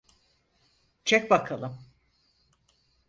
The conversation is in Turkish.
Çek bakalım.